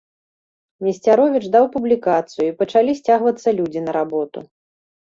Несцяровіч даў публікацыю, і пачалі сцягвацца людзі на работу.